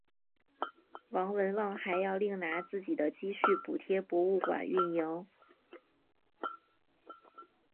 王文旺还要另拿自己的积蓄补贴博物馆运营。